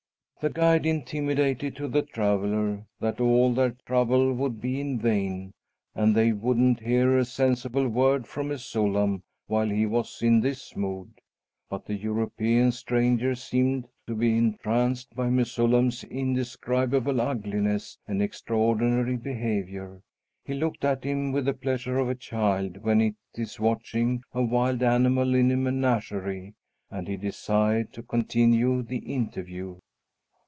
The guide intimated to the traveller that all their trouble would be in vain and they wouldn't hear a sensible word from Mesullam while he was in this mood. But the European stranger seemed to be entranced by Mesullam's indescribable ugliness and extraordinary behavior. He looked at him with the pleasure of a child when it is watching a wild animal in a menagerie, and he desired to continue the interview.